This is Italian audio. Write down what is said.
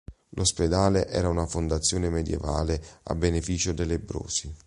L'ospedale era una fondazione medioevale a beneficio dei lebbrosi.